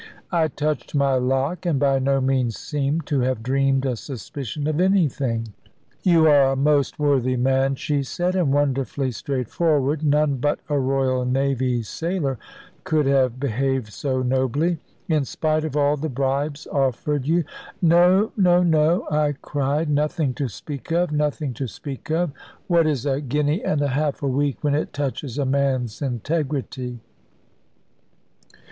I touched my lock; and by no means seemed to have dreamed a suspicion of anything. "You are a most worthy man," she said; "and wonderfully straightforward. None but a Royal Navy sailor could have behaved so nobly. In spite of all the bribes offered you " "No, no, no!" I cried; "nothing to speak of! nothing to speak of! What is a guinea and a half a week when it touches a man's integrity?"